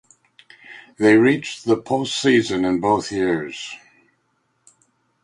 They reached the postseason in both years.